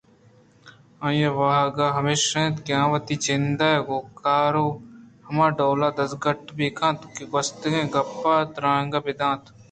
آئیءِ واہگ ہمیش اِنت کہ وتی جند ءَ گوں کار ءَ ہماڈول ءَ دزگٹ بہ کنت کہ گوٛستگیں گپاں بے ترٛانگ بہ بیت